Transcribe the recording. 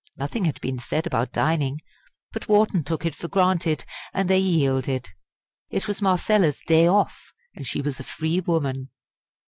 Nothing had been said about dining; but Wharton took it for granted; and they yielded. It was Marcella's "day off," and she was a free woman.